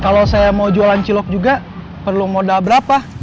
kalau saya mau jualan cilok juga perlu modal berapa